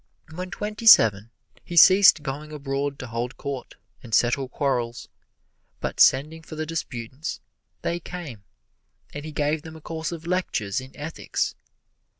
When twenty seven he ceased going abroad to hold court and settle quarrels, but sending for the disputants, they came, and he gave them a course of lectures in ethics.